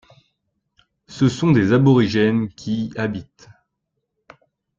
Ce sont des aborigènes qui y habitent.